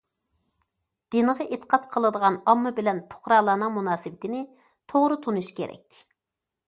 دىنغا ئېتىقاد قىلىدىغان ئامما بىلەن پۇقرالارنىڭ مۇناسىۋىتىنى توغرا تونۇش كېرەك.